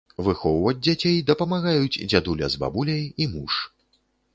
Выхоўваць дзяцей дапамагаюць дзядуля з бабуляй і муж.